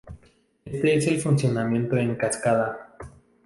Éste es el funcionamiento en cascada.